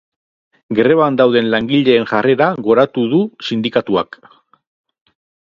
Greban dauden langileen jarrera goratu du sindikatuak.